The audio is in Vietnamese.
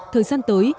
thời gian tới